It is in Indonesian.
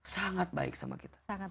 sangat baik sama kita